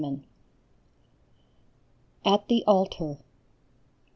77 AT THE ALTAR.